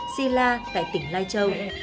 sila tại tỉnh lai châu